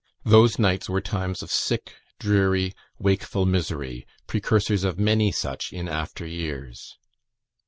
Those nights were times of sick, dreary, wakeful misery; precursors of many such in after years.